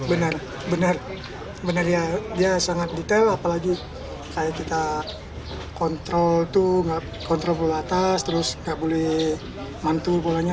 benar benar ya dia sangat detail apalagi kayak kita kontrol bola atas terus gak boleh mantul bolanya